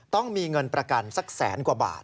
ต้องมีเงินประกันสักแสนกว่าบาท